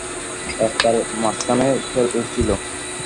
রাস্তার মাঝখানে খেলছিলো।